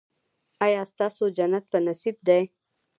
ایا ستاسو جنت په نصیب دی؟